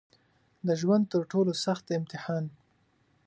د ژوند تر ټولو سخت امتحان